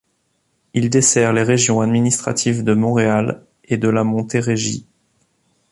Il dessert les régions administratives de Montréal et de la Montérégie.